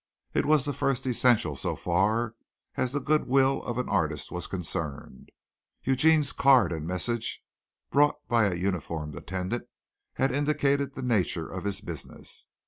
It was the first essential so far as the good will of an artist was concerned. Eugene's card and message brought by a uniformed attendant had indicated the nature of his business.